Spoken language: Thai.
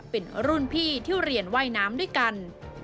เป็นรุ่นพี่ที่เรียนว่ายน้ำด้วยกัน